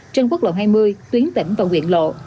trên quốc lộ hai mươi tuyến tỉnh và nguyện lộ